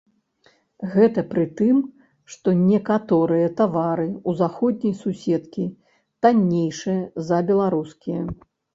Гэта пры тым, што некаторыя тавары ў заходняй суседкі таннейшыя за беларускія.